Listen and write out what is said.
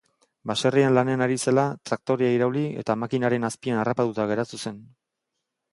Baserrian lanean ari zela, traktorea irauli eta makinaren azpian harrapatuta geratu zen.